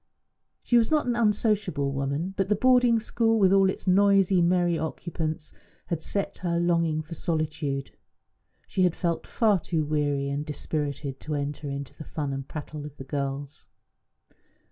She was not an unsociable woman; but the boarding school, with all its noisy, merry occupants, had set her longing for solitude. She had felt far too weary and dispirited to enter into the fun and prattle of the girls.